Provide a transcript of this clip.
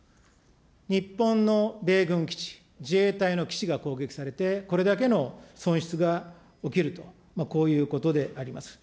日本の米軍基地、自衛隊の基地が攻撃されて、これだけの損失が起きると、こういうことであります。